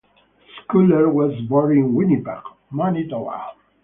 Schuler was born in Winnipeg, Manitoba.